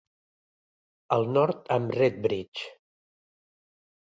Al nord amb Redbridge.